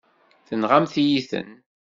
Tenɣamt-iyi-ten.